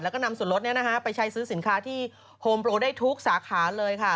แล้วก็นำส่วนลดไปใช้ซื้อสินค้าที่โฮมโปรได้ทุกสาขาเลยค่ะ